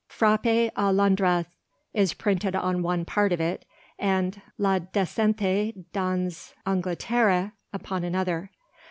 "Frappe a Londres" is printed on one part of it, and "La Descente dans Angleterre" upon another.